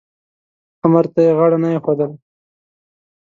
امر ته یې غاړه نه ایښودله.